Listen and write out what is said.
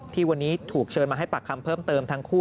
ที่วันนี้ถูกเชิญมาให้ปากคำเพิ่มเติมทั้งคู่